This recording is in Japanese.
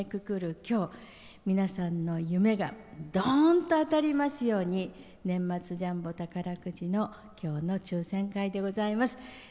今日皆さんの夢が、どーんと当たりますように年末ジャンボ宝くじの今日の抽せん会でございます。